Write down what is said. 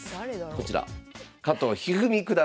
こちら。